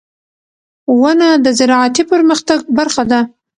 • ونه د زراعتي پرمختګ برخه ده.